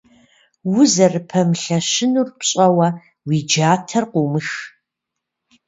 Узэрыпэмылъэщынур пщӀэуэ, уи джатэр къумых.